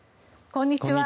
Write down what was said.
こんにちは。